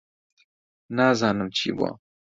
نازانم چی بووە.